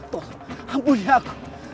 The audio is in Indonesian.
tol ampuni aku